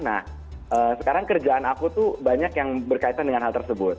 nah sekarang kerjaan aku tuh banyak yang berkaitan dengan hal tersebut